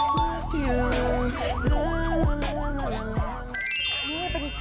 เขาที่ไปพูดช่วงต้นนะคะว่านี่ผู้หญิงรึเปล่าผมเยา